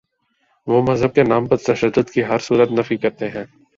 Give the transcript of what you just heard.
وہ مذہب کے نام پر تشدد کی ہر صورت نفی کرتے ہیں۔